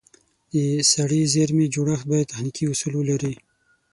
د سړې زېرمه جوړښت باید تخنیکي اصول ولري.